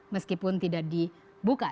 meskipun tidak dibuka